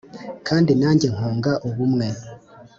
kandi nanjye nkunga ubumwe